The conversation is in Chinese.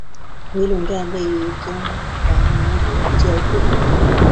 回龙站位于中华民国交会。